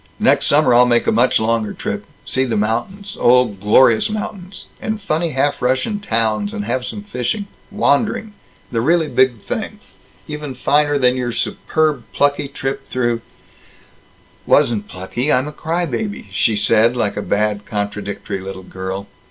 Next summer I'll make a much longer trip see the mountains oh, glorious mountains and funny half Russian towns, and have some fishing Wandering. The really big thing. Even finer than your superb plucky trip through " "Wasn't plucky! I'm a cry baby," she said, like a bad, contradictory little girl.